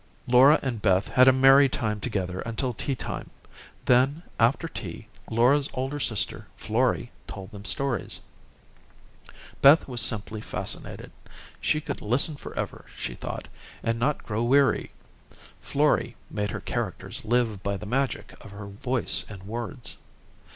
Laura and Beth had a merry time together until tea time. Then, after tea, Laura's older sister, Florrie, told them stories. Beth was simply fascinated. She could listen forever, she thought, and not grow weary. Florrie made her characters live by the magic of her voice and words.